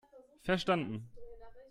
Verstanden!